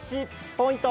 ポイント